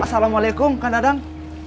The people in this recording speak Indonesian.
assalamualaikum kang dadang